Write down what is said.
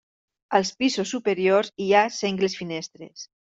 Als pisos superiors hi ha sengles finestres.